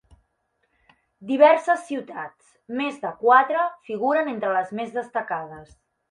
Diverses ciutats, més de quatre, figuren entre les més destacades.